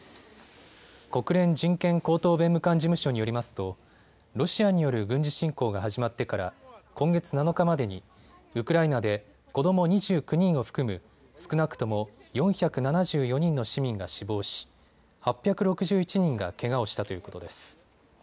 国連人権高等弁務官事務所によりますとロシアによる軍事侵攻が始まってから今月７日までにウクライナで子ども２９人を含む少なくとも４７４人の市民が死亡し８６１人がけがをしたということです。